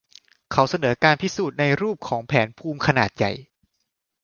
เขาเสนอการพิสูจน์ในรูปของแผนภูมิขนาดใหญ่